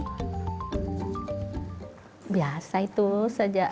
kala juga mengkonsumsi makanan yang bukan buatan